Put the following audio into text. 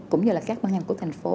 cũng như là các bán hàng của thành phố